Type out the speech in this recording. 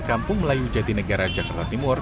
kampung melayu jati negara jakarta timur